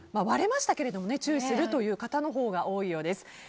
割れましたけど注意するという方のほうが多いようです。